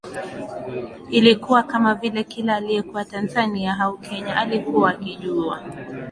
Ilikuwa kama vile kila aliyekuwa Tanzania au Kenya alikuwa akijua